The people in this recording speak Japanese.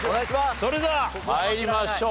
それでは参りましょう。